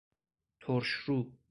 ترشرو